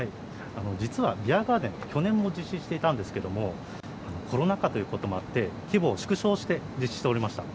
実はビアガーデン、去年も実施していたんですけれども、コロナ禍ということもあって、規模を縮小して実施しておりました。